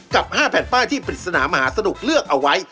กับ๕แผ่นป้ายที่ปริศนามหาสนุกเลือกเอาไว้